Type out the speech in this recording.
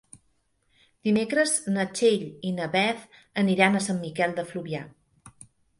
Dimecres na Txell i na Beth aniran a Sant Miquel de Fluvià.